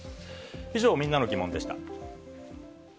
以上、みんなのギモンでした。